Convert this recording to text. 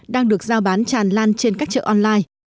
đang được giao bán tràn lan trên các chợ online